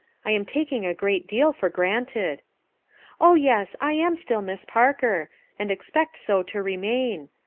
I am taking a great deal for granted." "Oh, yes; I am still * Miss Parker 1 ; and ex pect so to remain.